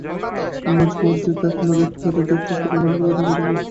আমি মাঝ মধ্যেই তাকে নদীর তীরে দেখতাম, সে শুধু পানির দিকে তাকিয়ে থাকে।